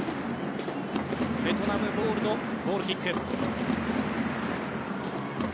ベトナムボールのゴールキック。